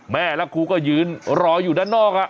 แม่และครูก็ยืนรออยู่ด้านนอก